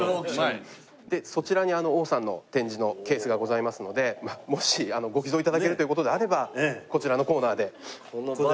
でそちらに王さんの展示のケースがございますのでもしご寄贈頂けるという事であればこちらのコーナーで飾っているように。